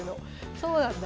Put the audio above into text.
そうなんだ。